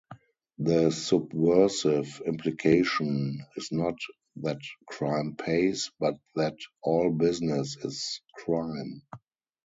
The subversive implication is not that crime pays, but that all business is crime.